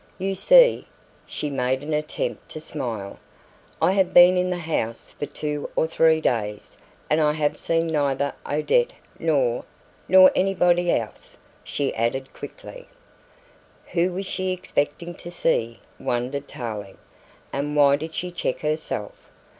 "You see," she made an attempt to smile. "I have been in the house for two or three days, and I have seen neither Odette nor nor anybody else," she added quickly. Who was she expecting to see, wondered Tarling, and why did she check herself?